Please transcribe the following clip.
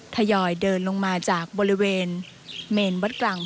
ทยอยเดินลงมาจากบริเวณเมนวัดกลาง